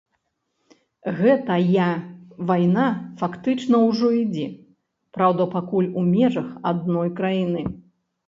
Гэтая вайна фактычна ўжо ідзе, праўда, пакуль у межах адной краіны.